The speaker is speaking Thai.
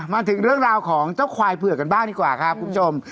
มาถึงเรื่องราวของเจ้าควายเผือกกันบ้างดีกว่าครับคุณผู้ชม